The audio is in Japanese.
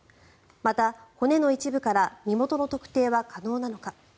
また、骨の一部から身元の特定は可能なのか。